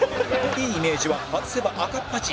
いいイメージは外せば赤っ恥